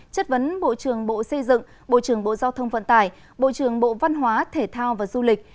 chất vấn bộ trưởng bộ xây dựng bộ trưởng bộ giao thông vận tải bộ trưởng bộ văn hóa thể thao và du lịch